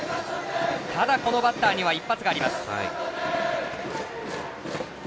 ただ、このバッターには一発があります。